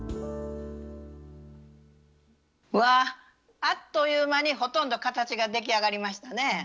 うわぁあっという間にほとんど形が出来上がりましたね。